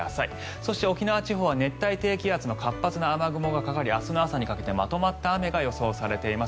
そして、沖縄地方は熱帯低気圧の活発な雨雲がかかり明日の朝にかけてまとまった雨が予想されています。